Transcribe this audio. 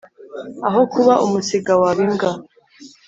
Aho kuba umusega waba imbwa.